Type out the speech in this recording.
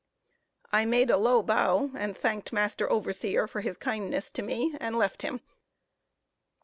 I made a low bow, and thanked master overseer for his kindness to me, and left him.